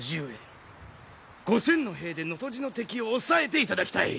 叔父上５，０００の兵で能登路の敵を押さえていただきたい。